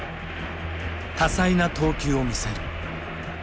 多彩な投球を見せる。